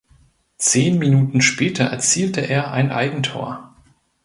Zehn Minuten später erzielte er ein Eigentor.